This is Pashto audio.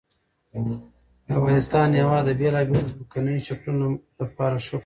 د افغانستان هېواد د بېلابېلو ځمکنیو شکلونو لپاره ښه کوربه دی.